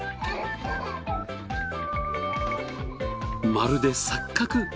まるで錯覚！